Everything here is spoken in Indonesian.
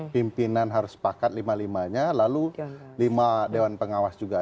pimpinan harus sepakat lima limanya lalu lima dewan pengawas juga